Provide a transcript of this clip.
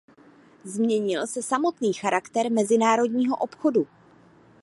Změnil se samotný charakter mezinárodního obchodu.